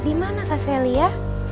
dimana kak sally ya